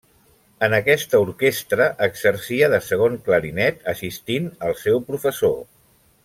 En aquesta orquestra exercia de segon clarinet assistint al seu professor.